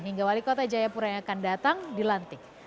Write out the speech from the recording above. hingga wali kota jayapura yang akan datang dilantik